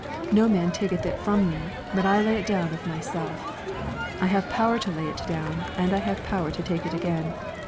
No man taketh it from me, but I lay it down of myself. I have power to lay it down, and I have power to take it again."